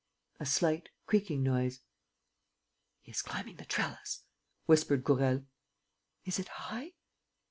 A slight, creaking noise ... "He is climbing the trellis," whispered Gourel. "Is it high?"